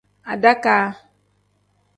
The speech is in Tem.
Adakaa.